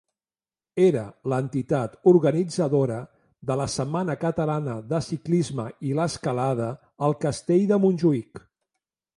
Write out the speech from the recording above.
Era l'entitat organitzadora de la Setmana Catalana de Ciclisme i l'Escalada al Castell de Montjuïc.